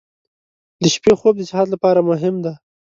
• د شپې خوب د صحت لپاره مهم دی.